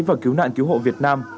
và cứu nạn cứu hộ việt nam